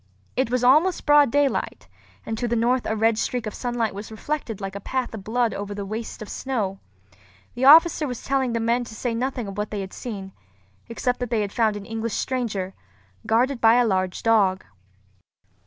It was almost broad daylight, and to the north a red streak of sunlight was reflected like a path of blood over the waste of snow. The officer was telling the men to say nothing of what they had seen, except that they found an English stranger, guarded by a large dog.